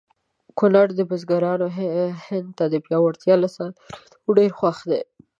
کونړ بزګران هند ته د پیازو له صادریدو ډېر خوښ دي